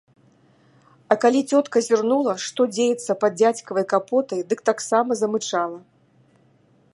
А калі цётка зірнула, што дзеецца пад дзядзькавай капотай, дык таксама замычала.